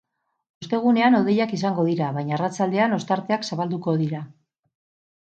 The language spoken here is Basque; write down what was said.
Ostegunean hodeiak izango dira, baina arratsaldean ostarteak zabalduko dira.